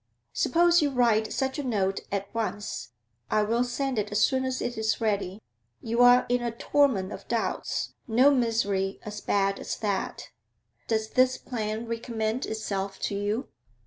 Suppose you write such a note at once; I will send it as soon as it is ready. You are in the torment of doubts; no misery as bad as that. Does this plan recommend itself to you?'